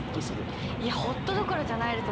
いやホッとどころじゃないです。